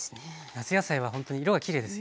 夏野菜はほんとに色がきれいですよね。